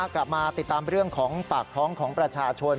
กลับมาติดตามเรื่องของปากท้องของประชาชน